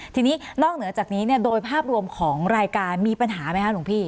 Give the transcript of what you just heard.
ทีนี้นอกเหนือจากนี้โดยภาพรวมของรายการมีปัญหาไหมคะหลวงพี่